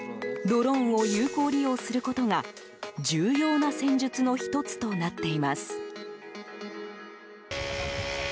ドローンを有効利用することが重要な戦術の１つとなっています。